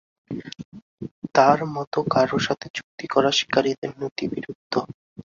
তার মতো কারো সাথে চুক্তি করা শিকারীদের নীতিবিরুদ্ধ।